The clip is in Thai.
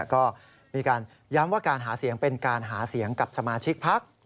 ก็มีการย้ำว่าการหาเสียงเป็นการหาเสียงกับสมาชิกพัก